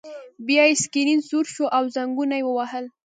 بیا یې سکرین سور شو او زنګونه یې ووهل